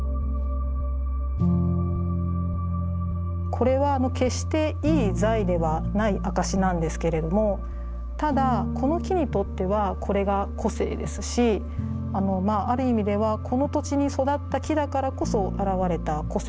これはあの決していい材ではない証しなんですけれどもただこの木にとってはこれが個性ですしあのまあある意味ではこの土地に育った木だからこそあらわれた個性だといえるんですね。